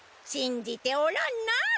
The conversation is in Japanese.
しんじておらんな？